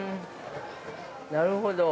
なるほど。